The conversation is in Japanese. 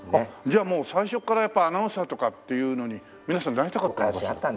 じゃあもう最初からやっぱアナウンサーとかっていうのに皆さんなりたかった。